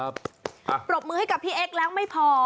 ปรบมือให้กับพี่เอ็กซ์แล้วไม่พอ